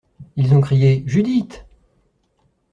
Ils ont crié : Judith !